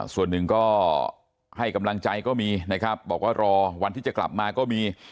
ส่วนหนึ่งก็ให้กำลังใจก็มีนะครับบอกว่ารอวันที่จะกลับมาก็มี